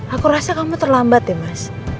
aku rasa kamu terlambat ya mas